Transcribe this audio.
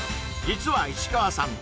実は石川さん